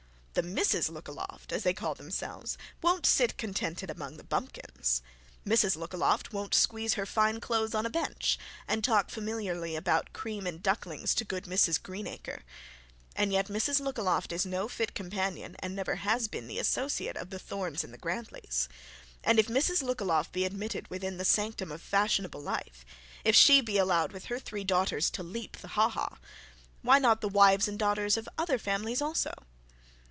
The Misses Lookaloft, as they call themselves, won't sit contented among the bumpkins. Mrs Lookaloft won't squeeze her fine clothes on a bench and talk familiarly about cream and ducklings to good Mrs Greenacres. And yet Mrs Lookaloft is not fit companion and never has been the associate of the Thornes and the Grantlys. And if Mrs Lookaloft be admitted within the sanctum of fashionable life, if she be allowed with her three daughters to leap the ha ha, why not the wives and daughters of other families also?